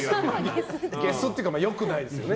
ゲスっていうか良くないですよね。